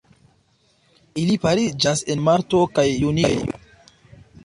Ili pariĝas en marto kaj junio.